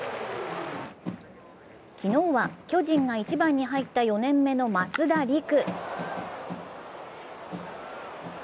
昨日は巨人が１番に入った４年目の増田陸。